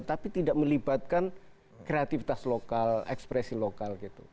tapi tidak melibatkan kreativitas lokal ekspresi lokal gitu